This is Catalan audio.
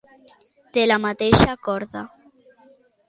De la mateixa corda.